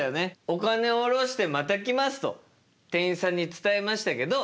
「お金をおろしてまた来ます」と店員さんに伝えましたけど。